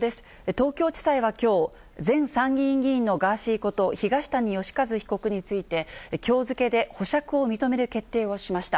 東京地裁はきょう、前参議院議員のガーシーこと東谷義和被告について、きょう付けで保釈を認める決定をしました。